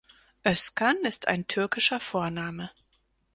Özcan ist ein türkischer Vorname.